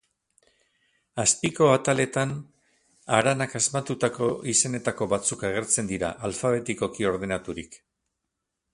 Azpiko ataletan Aranak asmatutako izenetako batzuk agertzen dira, alfabetikoki ordenaturik.